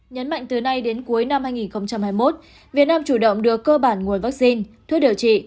nhấn mạnh từ nay đến cuối năm hai nghìn hai mươi một việt nam chủ động đưa cơ bản nguồn vaccine thuốc điều trị